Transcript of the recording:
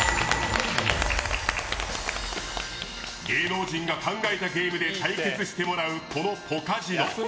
芸能人が考えたゲームで対決してもらう、このポカジノ。